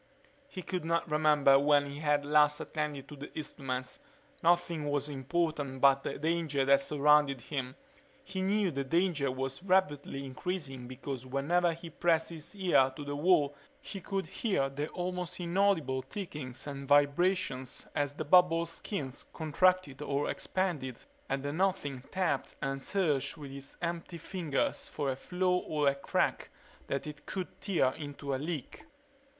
He could not remember when he had last attended to the instruments. Nothing was important but the danger that surrounded him. He knew the danger was rapidly increasing because whenever he pressed his ear to the wall he could hear the almost inaudible tickings and vibrations as the bubble's skin contracted or expanded and the Nothing tapped and searched with its empty fingers for a flaw or crack that it could tear into a leak.